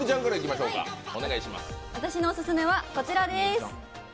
私のオススメはこちらです。